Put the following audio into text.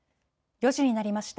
４時になりました。